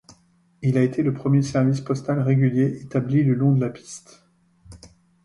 Il a été le premier service postal régulier établi le long de la piste.